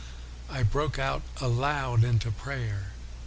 I broke out aloud into prayer.